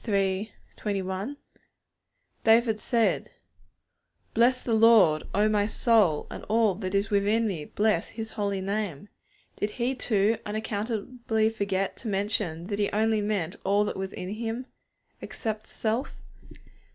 David said: 'Bless the Lord, O my soul, and all that is within me, bless His Holy Name.' Did he, too, unaccountably forget to mention that he only meant all that was within him, except self?